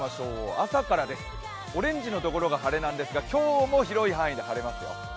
朝からです、オレンジのところが晴れなんですが今日も広い範囲で晴れますよ。